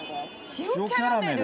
塩キャラメル。